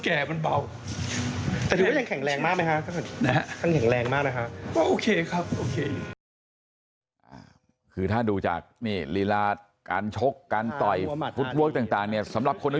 อันนี้คือเป็นส่วนออกการังกายหลังบ้าน